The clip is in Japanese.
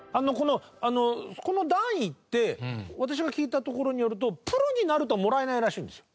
この段位って私が聞いたところによるとプロになるともらえないらしいんですよ。